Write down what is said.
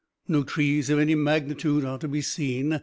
No trees of any magnitude are to be seen.